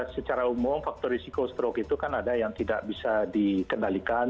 secara umum faktor risiko stroke itu kan ada yang tidak bisa dikendalikan